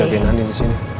aku harus jagain anin disini